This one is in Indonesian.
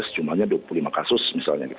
cumanya dua puluh lima kasus misalnya gitu